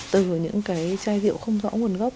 từ những cái chai rượu không rõ nguồn gốc